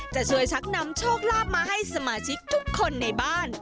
จะช่วยชักนำโชคลาภมาให้สมาชิกทุกคนในบ้าน